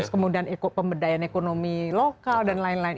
kemudian pemberdayaan ekonomi lokal dan lain lain